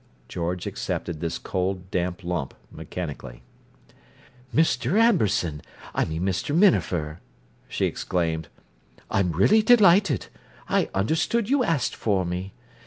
George accepted this cold, damp lump mechanically. "Mr. Amberson—I mean Mr. Minafer!" she exclaimed. "I'm really delighted: I understood you asked for me.